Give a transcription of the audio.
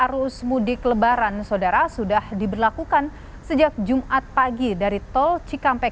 arus mudik lebaran saudara sudah diberlakukan sejak jumat pagi dari tol cikampek